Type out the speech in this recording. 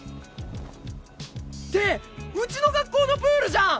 ってうちの学校のプールじゃん！